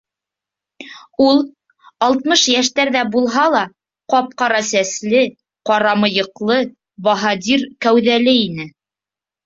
Ул, алтмыш йәштәрҙә булһа ла, ҡап-ҡара сәсле, ҡара мыйыҡлы, баһадир кәүҙәле ине.